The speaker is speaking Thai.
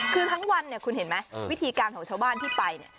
คือทั้งวันเนี่ยคุณเห็นไหมวิธีการของชาวบ้านที่ไปเนี่ย